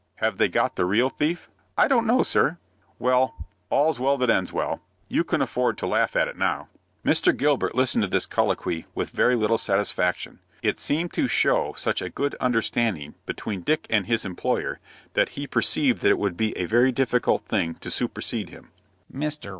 "Have they got the real thief?" "I don't know, sir." "Well, 'all's well that ends well.' You can afford to laugh at it now." Mr. Gilbert listened to this colloquy with very little satisfaction. It seemed to show such a good understanding between Dick and his employer that he perceived that it would be a very difficult thing to supersede him. "Mr.